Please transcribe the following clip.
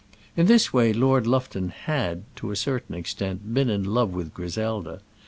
In this way Lord Lufton had, to a certain extent, been in love with Griselda.